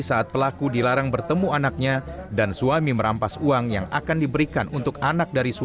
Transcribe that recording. saat pelaku dilarang bertemu anaknya dan suami merampas uang yang akan diberikan untuk anak dari suami